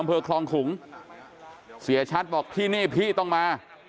อำเภอคลองขุงเสียชัดบอกที่นี่พี่ต้องมา